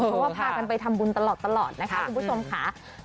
เพราะว่าพากันไปทำบุญตลอดนะคะคุณผู้ชมค่ะ